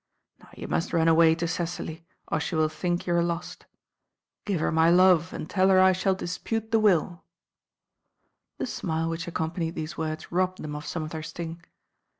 Now you must run away to Cecily, or she will think you are lost. Give her my love, an ? tell her I shall dis pute the wiU." The smile which accompanied these words robbed them of some of their sting.